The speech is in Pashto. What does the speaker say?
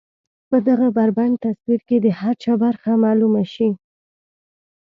په دغه بربنډ تصوير کې د هر چا برخه معلومه شي.